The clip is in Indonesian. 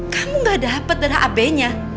kamu gak dapat darah ab nya